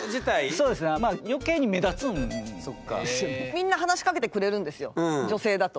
みんな話しかけてくれるんですよ女性だと。